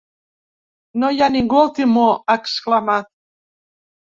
“No hi ha ningú al timó”, ha exclamat.